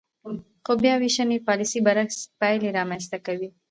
خو د بیاوېشنې پالیسۍ برعکس پایلې رامنځ ته کوي.